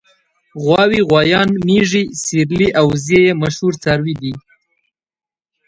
غواوې غوایان مېږې سېرلي او وزې یې مشهور څاروي دي.